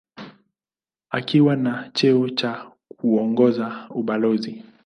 Akiwa na cheo cha kuongoza ubalozi.